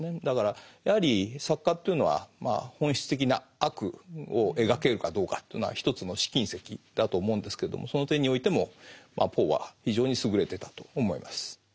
だからやはり作家というのは本質的な悪を描けるかどうかというのは一つの試金石だと思うんですけれどもその点においてもポーは非常に優れてたと思います。